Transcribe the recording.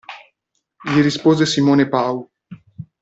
Gli rispose Simone Pau.